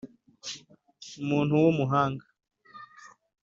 umuntu w’umuhanga